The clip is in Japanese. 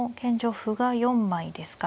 歩が４枚ですか